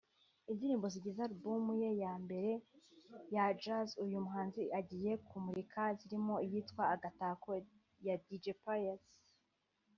Indirimbo zigize album ya mbere ya Jazz uyu muhanzi agiye kumurika zirimo iyitwa ‘Agatako’ ya Dj Pius